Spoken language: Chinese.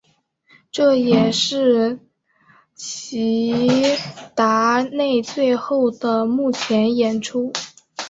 这也是齐达内最后的幕前演出。